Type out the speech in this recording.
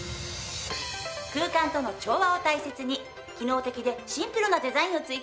空間との調和を大切に機能的でシンプルなデザインを追求したの！